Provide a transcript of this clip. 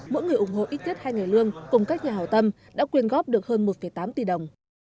mỗi người ủng hộ ít nhất hai ngày lương cùng các nhà hào tâm đã quyên góp được hơn một tám tỷ đồng